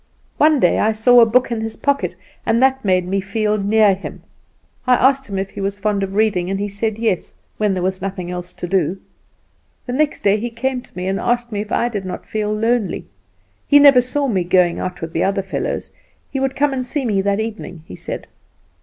One day I saw a book in his pocket, and that made me feel near him. I asked him if he was fond of reading, and he said, yes, when there was nothing else to do. The next day he came to me, and asked me if I did not feel lonely; he never saw me going out with the other fellows; he would come and see me that evening, he said.